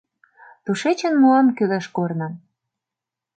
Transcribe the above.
Тушечын муам кӱлеш корным.